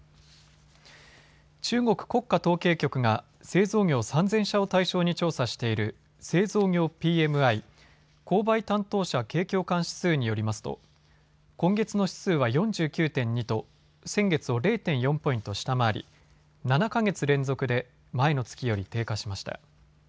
中国国家統計局が製造業３０００社を対象に調査している製造業ＰＭＩ・購買担当者景況感指数によりますと今月の指数は４９．２と先月を０．４ポイント下回り、７か月連続で前の月より低下しました。